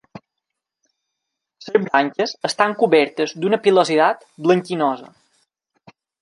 Les branques estan cobertes d'una pilositat blanquinosa.